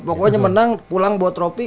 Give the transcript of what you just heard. pokoknya menang pulang buat tropi